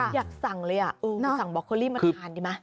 อยากสั่งเลยสั่งบ็อคโอลี่มากินดีไหม